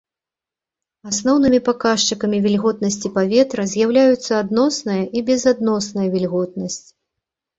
Асноўнымі паказчыкамі вільготнасці паветра з'яўляюцца адносная і безадносная вільготнасць.